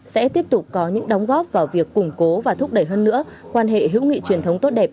sẽ tiếp tục có những đóng góp vào việc củng cố và thúc đẩy hơn nữa quan hệ hữu nghị truyền thống tốt đẹp